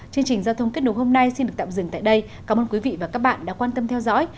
chương trình giao thông kết nối hôm nay xin được tạm dừng tại đây cảm ơn quý vị và các bạn đã quan tâm theo dõi